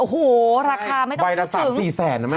โอ้โหราคาไม่ต้องคิดถึงใบละ๓๔แสนนะแม่